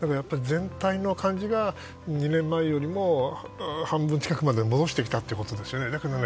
全体の感じが２年前よりも半分近くまで戻してきたということですよね。